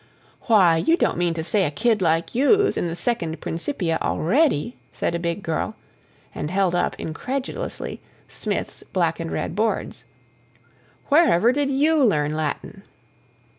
"Why, you don't mean to say a kid like you's in the Second Principia already?" said a big girl, and held up, incredulously, Smith's black and red boards. "Wherever did YOU learn Latin?"